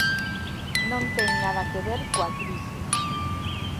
Non ten nada que ver coa crise.